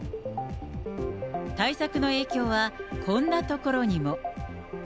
対策の影響は、こんな所にも。